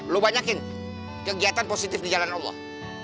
lo banyakin kegiatan positif di jalan allah